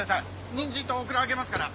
にんじんとオクラあげますから。